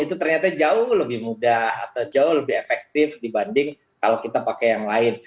itu ternyata jauh lebih mudah atau jauh lebih efektif dibanding kalau kita pakai yang lain